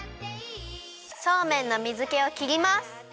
そうめんの水けをきります。